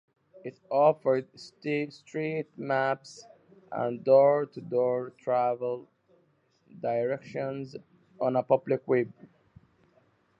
It offered street maps and door-to-door travel directions on a public web site.